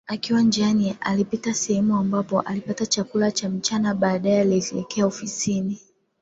Akiwa njiani alipita sehemu ambapo alipata chakula cha mchana baadae alielekea ofisini